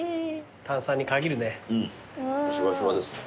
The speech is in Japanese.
炭酸に限るね。